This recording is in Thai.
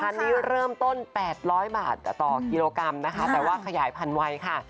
อันนี้เริ่มต้น๘๐๐บาทต่อกิโลกรัมนะคะแต่ว่าขยายพันไวค่ะ